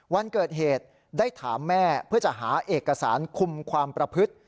วันเกิดเหตุได้ถามแม่เพื่อจะหาเอกสารคุมความประพฤติ